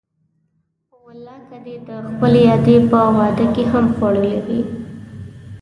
په والله که دې د خپلې ادې په واده کې هم خوړلي وي.